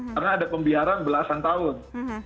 karena ada pembiaran belasan tahun